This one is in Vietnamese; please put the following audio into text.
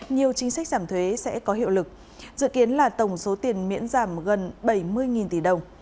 nhiều chính sách giảm thuế sẽ có hiệu lực dự kiến là tổng số tiền miễn giảm gần bảy mươi tỷ đồng